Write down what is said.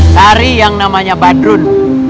tari yang namanya badrun